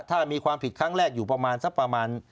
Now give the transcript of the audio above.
ถ้ามีความผิดครั้งแรกอยู่ประมาณสักประมาณ